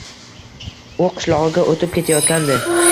U qishlog’iga o’tib ketayotgandi.